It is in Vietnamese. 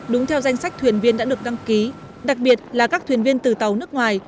đúng theo danh sách thuyền viên đã được đăng ký đặc biệt là các thuyền viên từ tàu nước ngoài